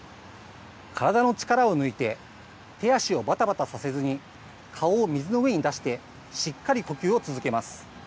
体の力を抜いて、手足をばたばたさせずに顔を水の上に出して、しっかり呼吸を続けます。